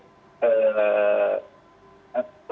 saya tidak begitu